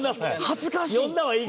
恥ずかしい。